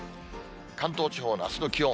関東地方のあすの気温。